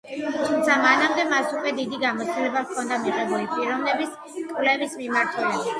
თუმცა მანამდე, მას უკვე დიდი გამოცდილება ჰქონდა მიღებული პიროვნების კვლევის მიმართულებით.